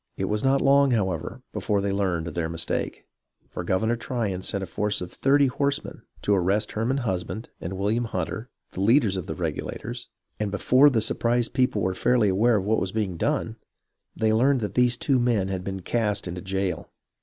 It was not long, however, before they learned of their mistake ; for Governor Tryon sent a force of thirty horsemen to arrest Herman Husband and William Hunter, the leaders of the Regulators, and before the surprised people were fairly aware of what was being done, they learned that these two men had been cast into jail.